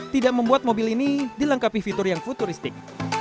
tidak membuat mobil ini dilengkapi fitur yang futuristik